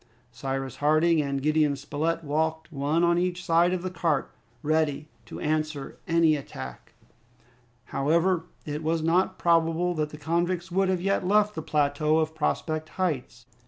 Cyrus Harding and Gideon Spilett walked one on each side of the cart, ready to answer to any attack. However, it was not probable that the convicts would have yet left the plateau of Prospect Heights.